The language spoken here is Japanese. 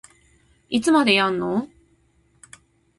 いつまでやんの